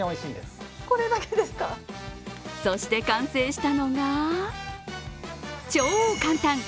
そして完成したのが超簡単！